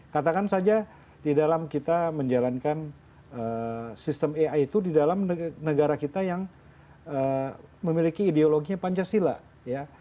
katakan saja di dalam kita menjalankan sistem ai itu di dalam negara kita yang memiliki ideologinya pancasila ya